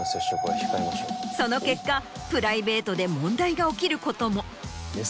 その結果プライベートで問題が起きることも。